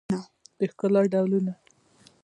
د ښکلا ډولونه